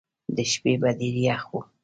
د شپې به ډېر یخ وو.